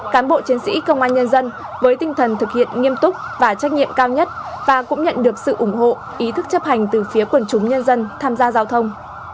cán bộ chiến sĩ công an nhân dân với tinh thần thực hiện nghiêm túc và trách nhiệm cao nhất và cũng nhận được sự ủng hộ ý thức chấp hành từ phía quần chúng nhân dân tham gia giao thông